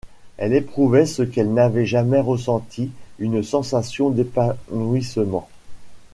Elle éprouvait ce qu’elle n’avait jamais ressenti, une sensation d’épanouissement.